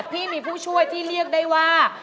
พี่มีผู้ช่วยที่เรียกได้ว่า